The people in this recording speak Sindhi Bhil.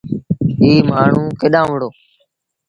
ايٚ مآڻهوٚݩ ڪيڏآن وُهڙو۔